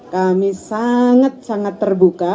kami sangat sangat terbuka